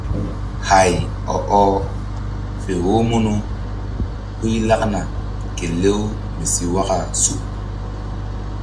Hay ɔ ɔh fe wo munu huy lakna kelew mi si waka suk.